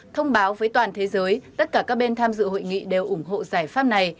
thông báo với toàn thế giới tất cả các bên tham dự hội nghị đều ủng hộ giải pháp này